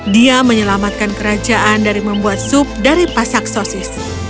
dia menyelamatkan kerajaan dari membuat sup dari pasak sosis